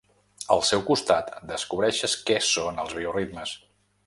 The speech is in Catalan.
Al seu costat descobreixes què són els bioritmes.